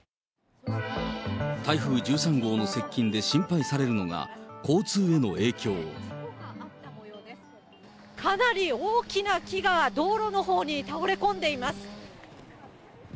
台風１３号の接近で心配されるのが、かなり大きな木が、道路のほうに倒れ込んでいます。